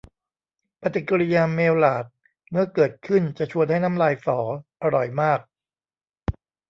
ปฏิกริยาเมลลาร์ด เมื่อเกิดขึ้น จะชวนให้น้ำลายสอ อร่อยมาก